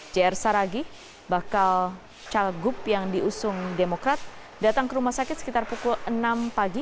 jr saragi bakal cagup yang diusung demokrat datang ke rumah sakit sekitar pukul enam pagi